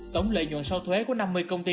tổng lợi nhuận sau thuế của năm mươi công ty